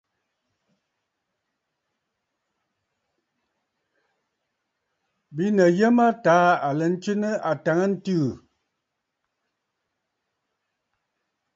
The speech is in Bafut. Bìꞌinə̀ yə mə taa aɨ lɛ ntswe nɨ àtàŋəntɨɨ aà.